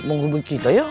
menghubung kita ya